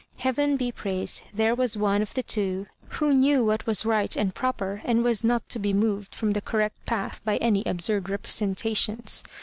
"Ueaven be praised, there was one of the two who knew what was right and proper, and was not to be moved from the correct path by any absurd representations.